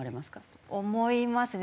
思いますね。